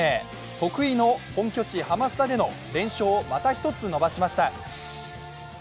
得意の本拠地ハマスタでの連勝をまた１つ伸ばしました。